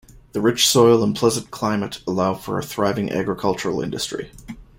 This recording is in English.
The rich soil and pleasant climate allow for a thriving agricultural industry.